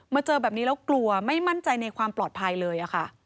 เจอแบบนี้แล้วกลัวไม่มั่นใจในความปลอดภัยเลยค่ะ